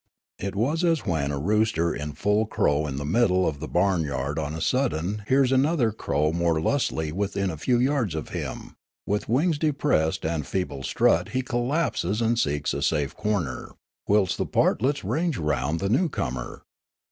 It was as when a rooster in full crow in the middle of the barnyard on a sudden hears another crow more lustily within a few yards of him ; with wings depressed and feeble strut he collapses and seeks a safe corner ; whilst the partlets range around the newcomer.